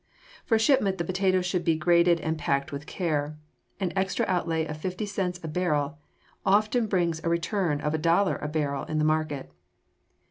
For shipment the potatoes should be graded and packed with care. An extra outlay of fifty cents a barrel often brings a return of a dollar a barrel in the market.